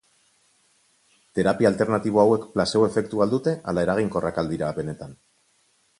Terapia alternatibo hauek plazebo efektua al dute ala eraginkorrak al dira benetan?